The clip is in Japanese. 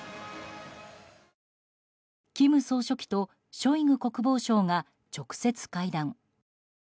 金総書記とショイグ国防相が直接会談。